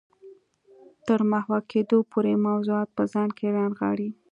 تر محوه کېدو پورې موضوعات په ځان کې رانغاړي.